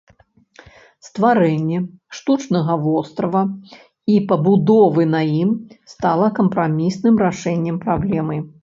Стварэнне штучнага вострава і пабудовы на ім стала кампрамісным рашэннем праблемы.